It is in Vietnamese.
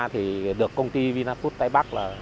thì được công ty vinaput tây bắc